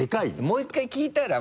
もう１回聞いたら？